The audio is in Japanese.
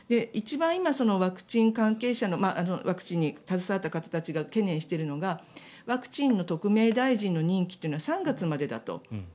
一番今、ワクチン関係者のワクチンに携わった方たちが懸念しているのがワクチンの特命大臣の任期は３月までだと。